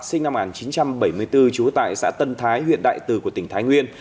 sinh năm một nghìn chín trăm bảy mươi bốn trú tại xã tân thái huyện đại từ của tỉnh thái nguyên